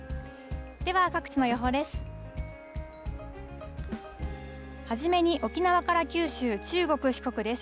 では各地の予報です。